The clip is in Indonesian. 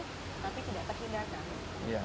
tapi tidak terhindarkan